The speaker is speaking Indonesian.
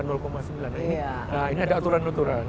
nah ini ada aturan aturan